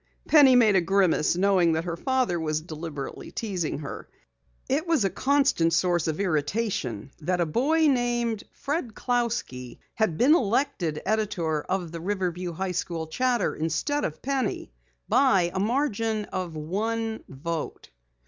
Penny made a grimace, knowing that her father was deliberately teasing her. It was a constant source of irritation that a boy named Fred Clousky had been elected editor of the Riverview High School Chatter instead of Penny by the margin of one vote.